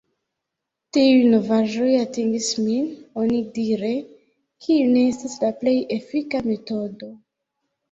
Tiuj novaĵoj atingis min “onidire”, kiu ne estas la plej efika metodo.